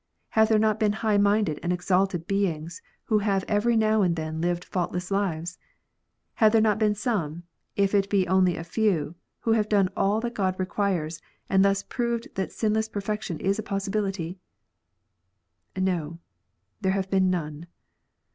Have there not been high minded and exalted beings who have every now and then lived faultless lives ? Have there not been some, if it be only a few, who have done all that God requires, and thus proved that sinless perfection is a possibility 1 No ! there have been none.